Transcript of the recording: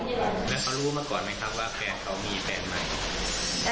แล้วเขารู้มาก่อนไหมครับว่าแฟนเขามีแฟนไหม